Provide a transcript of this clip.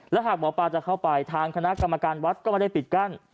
และหากหมอปลาจะเข้าไปทางคณะกรรมการวัดก็ไม่ได้ปิดกั้น